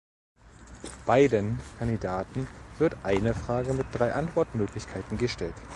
Beiden Kandidaten wird eine Frage mit drei Antwortmöglichkeiten gestellt.